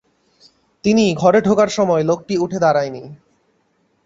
তিনি ঘরে ঢোকার সময় লোকটি উঠে দাঁড়ায় নি।